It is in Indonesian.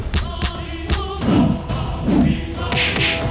saya pasti memberikan kesempatan